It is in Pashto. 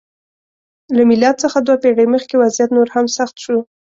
له میلاد څخه دوه پېړۍ مخکې وضعیت نور هم سخت شو.